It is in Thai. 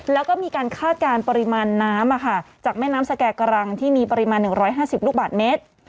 แล้วก็มีการคาดการณ์ปริมาณน้ำจากแม่น้ำสแก่กรังที่มีปริมาณ๑๕๐ลูกบาทเมตร